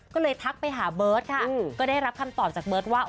ก็เลยทักไปหาเบิร์ตค่ะก็ได้รับคำตอบจากเบิร์ตว่า